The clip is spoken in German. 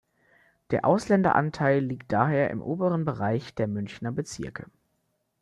Der Ausländeranteil liegt daher im oberen Bereich der Münchner Bezirke.